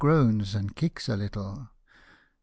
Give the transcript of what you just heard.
'oans and kicks a little. Dr.